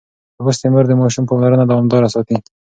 لوستې مور د ماشوم پاملرنه دوامداره ساتي.